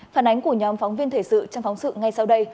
phản ánh của nhóm phóng viên thể sự trong phóng sự ngay sau đây